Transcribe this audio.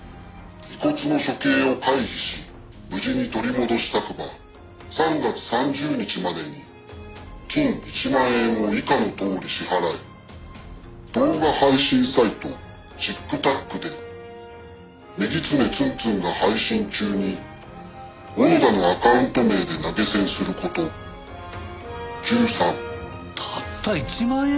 「遺骨の処刑を回避し無事に取り戻したくば三月三十日までに金壱萬圓を以下のとおり支払え」「動画配信サイトＣｉｋＴａｋで“女狐つんつん”が配信中に“小野田”のアカウント名で投げ銭すること」「１３」たった１万円！？